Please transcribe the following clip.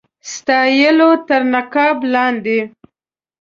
ستایلو تر نقاب لاندي.